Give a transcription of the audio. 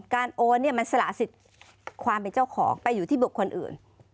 โอนเนี่ยมันสละสิทธิ์ความเป็นเจ้าของไปอยู่ที่บุคคลอื่น